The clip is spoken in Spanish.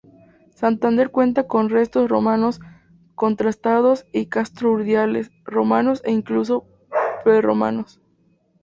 Santander cuenta con restos romanos contrastados y Castro Urdiales, romanos e incluso prerromanos.